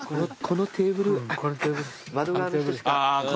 このテーブルね。